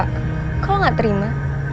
kok lo gak terima